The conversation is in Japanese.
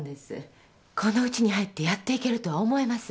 このウチに入ってやっていけるとは思えません。